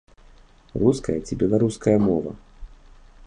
Руская ці беларуская мова?